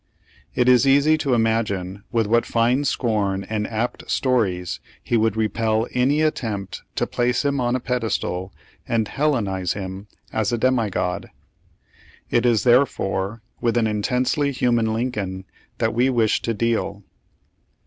It is easy to imagine with what fine scorn and apt stories he would repel any attempt to place him on a pedestal and Hellenize him as a demigod. It is therefore with an intensely human Lincoln that we wish to deal.